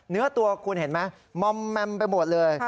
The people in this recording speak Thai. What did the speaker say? เนื้อตัวคุณเห็นไหมมอมแมมไปหมดเลย